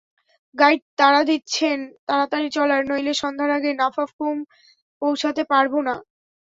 Guide তাড়া দিচ্ছেন তাড়াতাড়ি চলার, নইলে সন্ধ্যার আগে নাফাখুম পৌঁছাতে পারব না।